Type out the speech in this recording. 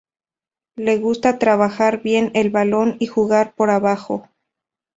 Le gusta tratar bien el balón y jugar por abajo.